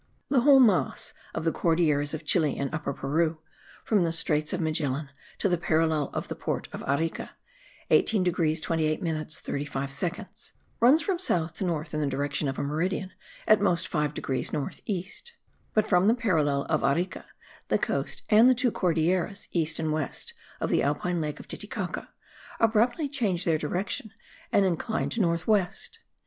The whole mass of the Cordilleras of Chile and Upper Peru, from the Straits of Magellan to the parallel of the port of Arica (18 degrees 28 minutes 35 seconds), runs from south to north, in the direction of a meridian at most 5 degrees north east; but from the parallel of Arica, the coast and the two Cordilleras east and west of the Alpine lake of Titicaca, abruptly change their direction and incline to north west.